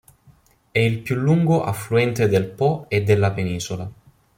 È il più lungo affluente del Po e della penisola.